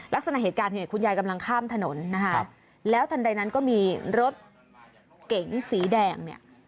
ลักษณะเหตุการณ์เนี่ยคุณยายกำลังข้ามถนนนะคะแล้วทันใดนั้นก็มีรถเก๋งสีแดงเนี่ย